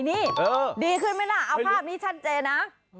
นี่ดีขึ้นไหมล่ะเอาภาพนี้ชัดเจนนะ